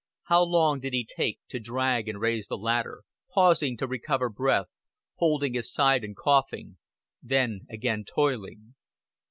How long did he take to drag and raise the ladder, pausing to recover breath, holding his side and coughing, then again toiling?